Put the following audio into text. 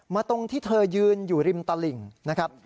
ตรงที่เธอยืนอยู่ริมตลิ่งนะครับ